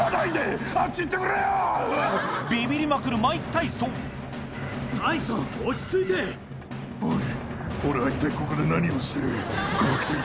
ビビりまくるマイク・タイソンおい。